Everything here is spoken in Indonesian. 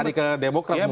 lari ke demokrat mungkin